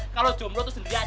kalau jomlo itu sendiri aja